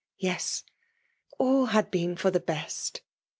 Yes ! all had been for the best